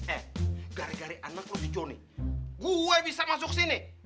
eh gara gara anak lu diconi gua bisa masuk sini